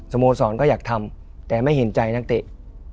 โมสรก็อยากทำแต่ไม่เห็นใจนักเตะ